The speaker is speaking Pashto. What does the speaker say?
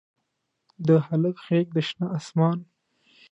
د هلک غیږ د شنه اسمان